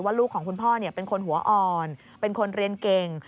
ลูกของคุณพ่อเป็นคนหัวอ่อนเป็นคนเรียนเก่ง